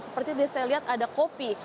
seperti tadi saya lihat ada kopi